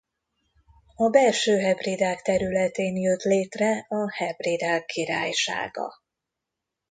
A Belső-Hebridák területén jött létre a Hebridák Királysága.